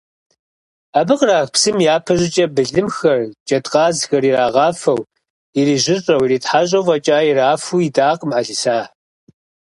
Абы кърах псым, япэ щӏыкӏэ, былымхэр, джэдкъазхэр ирагъафэу, ирижьыщӏэу, иритхьэщӏэу фӏэкӏа ирафу идакъым ӏэлисахь.